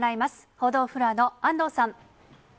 報道フロアの安藤さん。